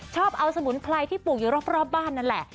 ชอบเอาสมุนไพรที่ปลูกอยู่รอบบ้านนั่นแหละ